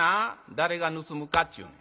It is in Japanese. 誰が盗むかっちゅうねん。